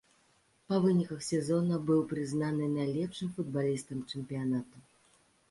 Па выніках сезона быў прызнаны найлепшым футбалістам чэмпіянату.